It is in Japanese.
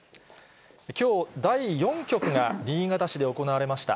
きょう、第４局が新潟市で行われました。